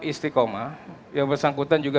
istiqomah yang bersangkutan juga